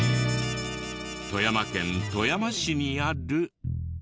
富山県富山市にある。